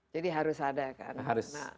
jadi harus ada kan